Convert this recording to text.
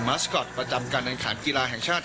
แมสคอตประจำกันในขันกีฬาแห่งชาติ